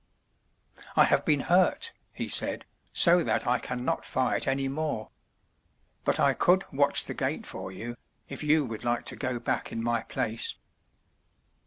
''I have been hurt,'' he said, "so that I can not fight any more. But I could watch the gate for you, if you would like to go back in my place."